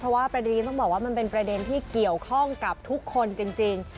เพราะว่าประเด็นนี้ต้องบอกว่ามันเป็นประเด็นที่เกี่ยวข้องกับทุกคนจริง